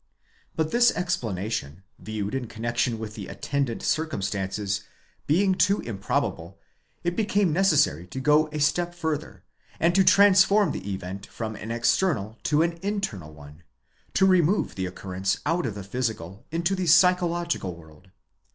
But this explanation, viewed in connexion with the attendant circum stances, being too improbable, it became necessary to go a step further, and to transform the event from an external to an internal one; to remove the occurrence out of the physical into the psychological world.